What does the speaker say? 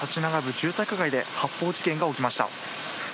住宅街で発砲事件が起きました。